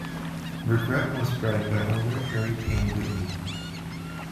Regret was bred by owner Harry Payne Whitney.